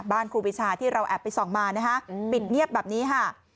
ครูปีชาที่เราแอบไปส่องมานะฮะปิดเงียบแบบนี้ค่ะ